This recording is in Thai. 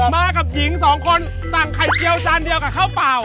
มากับหญิงสองคนสั่งไข่เจียวจานเดียวกับข้าวเปล่า